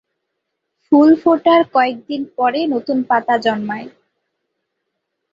ফুল ফোটার কয়েকদিন পরে নতুন পাতা জন্মায়।